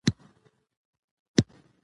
لکه د ملالې ټپه